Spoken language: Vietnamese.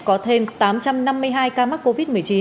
có thêm tám trăm năm mươi hai ca mắc covid một mươi chín